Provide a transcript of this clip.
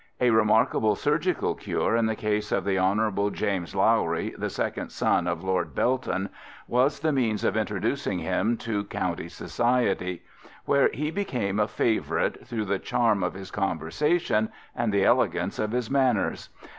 A remarkable surgical cure in the case of the Hon. James Lowry, the second son of Lord Belton, was the means of introducing him to county society, where he became a favourite through the charm of his conversation and the elegance of his manners.